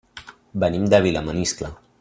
Venim de Vilamaniscle.